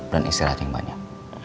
dan istirahat yang banyak